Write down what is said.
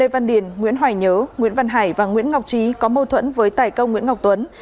văn điền nguyễn hoài nhớ nguyễn văn hải và nguyễn ngọc trí có mâu thuẫn với tài công nguyễn ngọc tuấn